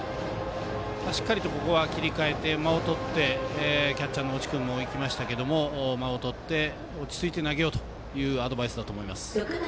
しっかりと、ここは切り替えて間をとってキャッチャーの越智君も行きましたけど間をとって落ち着いて投げようというアドバイスだと思います。